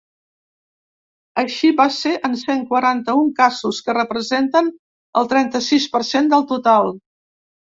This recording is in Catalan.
Així va ser en cent quaranta-un casos, que representen el trenta-sis per cent del total.